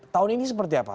tahun ini seperti apa